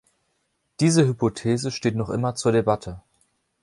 Diese Hypothese steht noch immer zur Debatte.